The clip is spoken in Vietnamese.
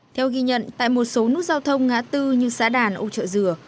theo ghi nhận tại một số nút giao thông ngã tư như xã đàn âu trợ dừa